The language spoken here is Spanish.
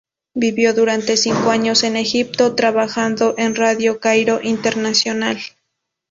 Vivió durante cinco años en Egipto trabajando en Radio Cairo Internacional.